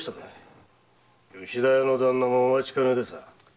吉田屋の旦那もお待ちかねで。